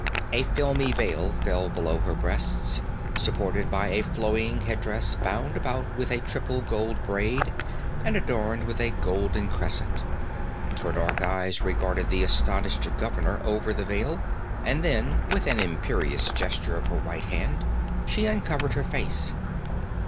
A filmy veil fell below her breasts, supported by a flowing headdress bound about with a triple gold braid and adorned with a golden crescent. Her dark eyes regarded the astonished governor over the veil, and then with an imperious gesture of her white hand, she uncovered her face.